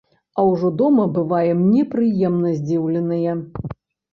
А ўжо дома бываем непрыемна здзіўленыя.